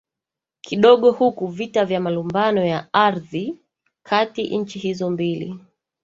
Kidogo huku vita vya malumbano ya Ardhi kati nchi hizo mbili